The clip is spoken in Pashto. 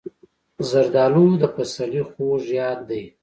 زردالو د پسرلي خوږ یاد دی.